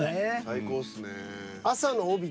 最高っすねぇ。